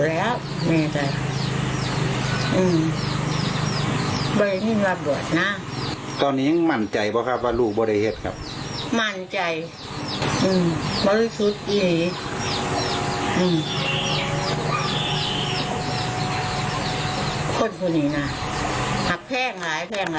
อันนี้ทรนราวน้ำยูคลิปน้ำหลาน